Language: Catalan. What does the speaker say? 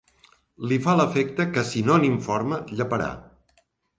Li fa l'efecte que si no n'informa lleparà.